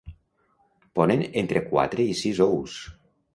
Ponen entre quatre i sis ous.